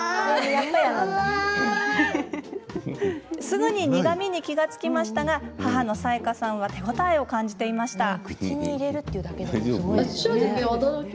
すぐに苦みに気付きましたが母のさえかさんは手応えを感じていました。